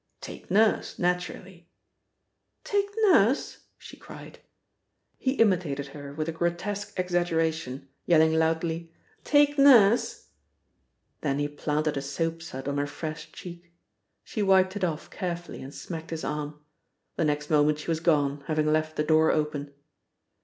"Take Nurse, naturally." "Take Nurse?" she cried. He imitated her with a grotesque exaggeration, yelling loudly, "Take Nurse?" Then he planted a soap sud on her fresh cheek. She wiped it off carefully and smacked his arm. The next moment she was gone, having left the door open.